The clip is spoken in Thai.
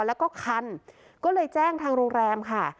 แล้วก็คันก็เลยแจ้งทางโรงแรมค่ะ